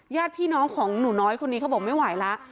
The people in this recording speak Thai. ญาติพี่น้องของหนูน้อยคนนี้เขาบอกไม่ไหวแล้ว